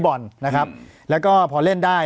ปากกับภาคภูมิ